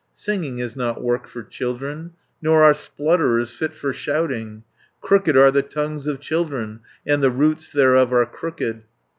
Singing is not work for children. Nor are splutterers fit for shouting. Crooked are the tongues of children, And the roots thereof are crooked.